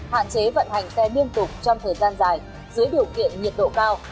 hạn chế vận hành xe liên tục trong thời gian dài dưới điều kiện nhiệt độ cao